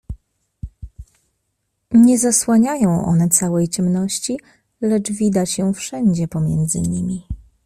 Nie zasłaniają one całej ciemności, lecz widać ją wszędzie pomiędzy nimi.